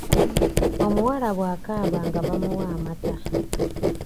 Omuwala bw’akaaba nga bamuwa amata.